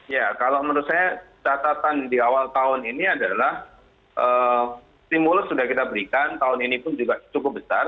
ya kalau menurut saya catatan di awal tahun ini adalah stimulus sudah kita berikan tahun ini pun juga cukup besar